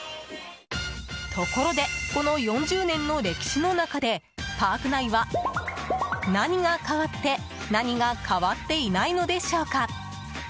ところでこの４０年の歴史の中でパーク内は何が変わって何が変わっていないのでしょうか。